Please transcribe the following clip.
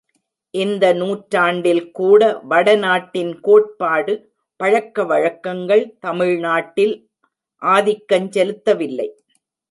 இந்த நூற்றாண்டில் கூட வட நாட்டின் கோட்பாடு, பழக்க வழக்கங்கள் தமிழ்நாட்டில் ஆதிக்கஞ் செலுத்தவில்லை.